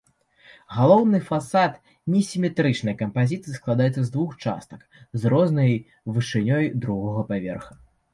Галоўны фасад несіметрычнай кампазіцыі, складаецца з двух частак з рознай вышынёй другога паверха.